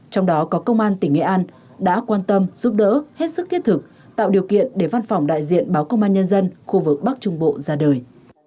trong đó có công an tỉnh nghệ an đã quan tâm giúp đỡ hết sức thiết thực tạo điều kiện để văn phòng đại diện báo công an nhân dân khu vực bắc trung bộ ra đời